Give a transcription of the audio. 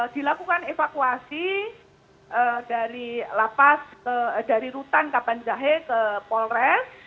dilakukan evakuasi dari lapas dari rutan kapanjahe ke polres